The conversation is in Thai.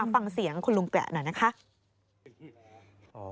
ฟังเสียงคุณลุงแกละหน่อยนะคะ